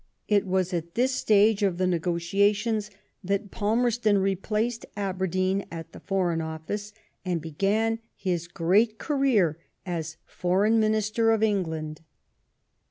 It was at this stage of the negotiations that Palmerston replaced Aberdeen at the Foreign Office, and began his great career as Foreign Minister of BELGIAN INDEPENDENCE. 4» England.